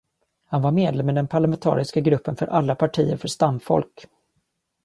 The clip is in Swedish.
Han var medlem i den parlamentariska gruppen för alla partier för stamfolk.